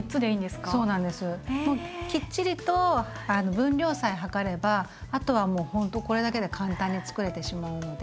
きっちりと分量さえ量ればあとはもうほんとこれだけで簡単につくれてしまうので。